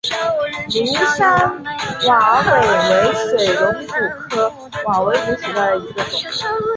庐山瓦韦为水龙骨科瓦韦属下的一个种。